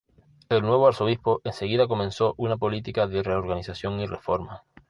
El nuevo arzobispo enseguida comenzó una política de reorganización y reforma.